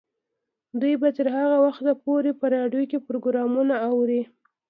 دوی به تر هغه وخته پورې په راډیو کې پروګرامونه اوري.